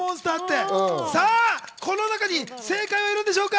この中に正解はあるんでしょうか？